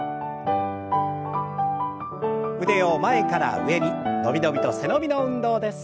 腕を前から上に伸び伸びと背伸びの運動です。